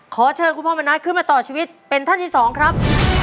ขอเชิญคุณพ่อมณัฐขึ้นมาต่อชีวิตเป็นท่านที่สองครับ